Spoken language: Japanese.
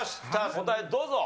答えどうぞ。